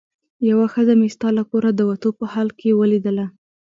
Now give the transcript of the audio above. یوه ښځه مې ستا له کوره د وتو په حال کې ولیدله.